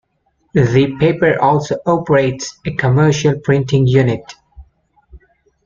The paper also operates a commercial printing unit.